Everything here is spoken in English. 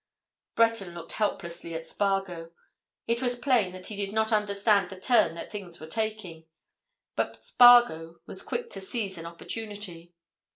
Breton looked helplessly at Spargo: it was plain that he did not understand the turn that things were taking. But Spargo was quick to seize an opportunity.